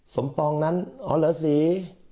ปองนั้นอ๋อเหรอสี